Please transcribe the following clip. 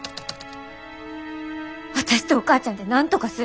私とお母ちゃんでなんとかする。